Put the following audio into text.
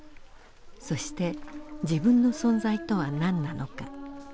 そして自分の存在とは何なのか。